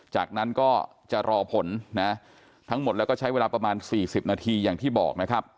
จากนั้นก็จะรอผลนะทั้งหมดแล้วก็ใช้เวลาประมาณ๔๐นาทีอย่างที่บอกนะครับ